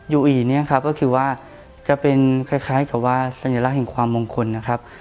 อีเนี่ยครับก็คือว่าจะเป็นคล้ายกับว่าสัญลักษณ์แห่งความมงคลนะครับ